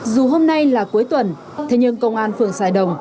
dù hôm nay là cuối tuần thế nhưng công an phường xài đồng